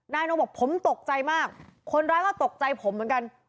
นายนงบอกผมตกใจมากคนร้ายก็ตกใจผมเหมือนกัน